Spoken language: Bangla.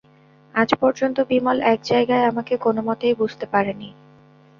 আজ পর্যন্ত বিমল এক জায়গায় আমাকে কোনোমতেই বুঝতে পারে নি।